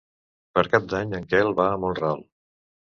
Per Cap d'Any en Quel va a Mont-ral.